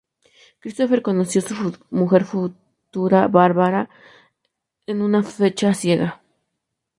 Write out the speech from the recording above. Christopher conoció su mujer futura, Barbara, en una fecha ciega.